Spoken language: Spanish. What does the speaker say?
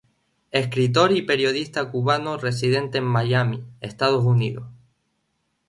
Escritor y periodista cubano residente en Miami, Estados Unidos.